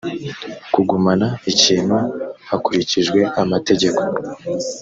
kugumana ikintu hakurikijwe amategeko